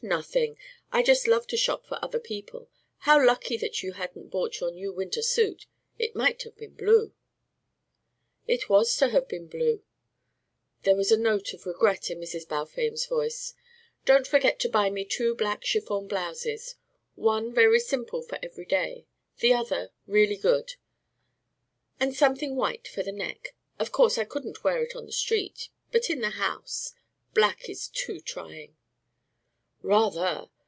Nothing! I just love to shop for other people. How lucky that you hadn't bought your new winter suit. It might have been blue." "It was to have been blue." There was a note of regret in Mrs. Balfame's voice. "Don't forget to buy me two black chiffon blouses. One very simple for every day; the other, really good. And something white for the neck. Of course I wouldn't wear it on the street; but in the house black is too trying!" "Rather.